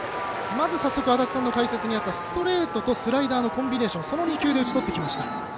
まず最初に足達さんの解説にあったストレートと、スライダーのコンビネーションの２球で打ち取ってきました。